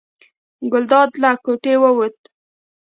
ګلداد له کوټې ووت.